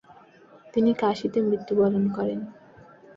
তিনি কাশীতে মৃত্যুবরণ করেন ।